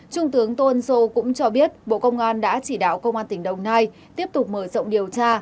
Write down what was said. trung tướng tôn sô cũng cho biết bộ công an đã chỉ đạo công an tỉnh đồng nai tiếp tục mở rộng điều tra